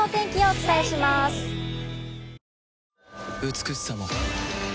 美しさも